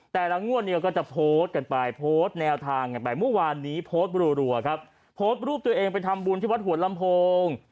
แต่ละงวดเนี่ยก็จะโพสต์กันไปโพสต์แนวทางกันไปเมื่อวานนี้โพสต์รัวครับโพสต์รูปตัวเองไปทำบุญที่วัดหัวลำโพง